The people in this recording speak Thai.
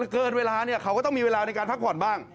เกินเวลาเนี่ยเขาก็ต้องมีเวลาในการพักผ่อนบ้าง